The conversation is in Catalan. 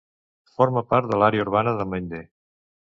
Forma part de l'Àrea urbana de Mende.